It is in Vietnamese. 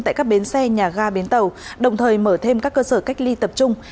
tại các bến xe nhà ga bến tàu đồng thời mở thêm các cơ sở cách ly tập trung